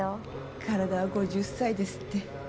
体は５０歳ですって。